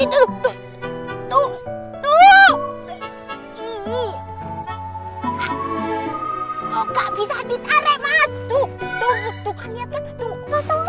itu tuh tuh